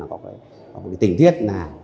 có một tình thiết